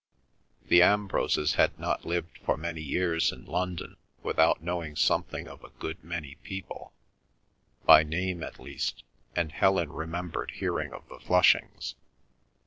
The Ambroses had not lived for many years in London without knowing something of a good many people, by name at least, and Helen remembered hearing of the Flushings.